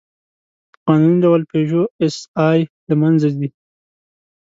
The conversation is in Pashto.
په قانوني ډول «پيژو ایسآی» له منځه ځي.